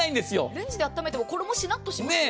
レンジで温めても衣、しなっとしますよね。